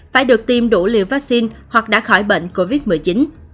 phải được tiêm đủ liều vaccine hoặc đã khỏi bệnh covid một mươi chín